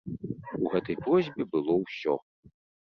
У гэтай просьбе было ўсё.